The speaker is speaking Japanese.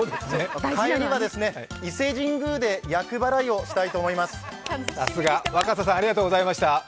帰りは伊勢神宮で厄払いをしたいと思います。